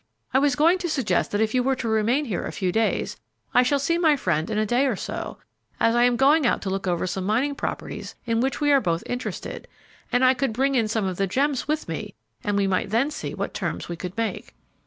I was going to suggest that if you were to remain here a few days, I shall see my friend in a day or so, as I am going out to look over some mining properties in which we are both interested, and I could bring in some of the gems with me, and we might then see what terms we could make."